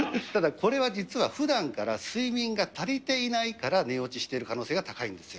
これは実はふだんから睡眠が足りていないから寝落ちしている可能性が高いんですよ。